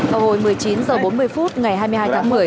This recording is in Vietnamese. vào hồi một mươi chín h bốn mươi phút ngày hai mươi hai tháng một mươi